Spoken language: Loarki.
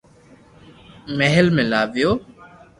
مھل ۾ لاويو